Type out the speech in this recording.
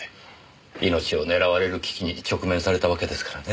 命を狙われる危機に直面されたわけですからね。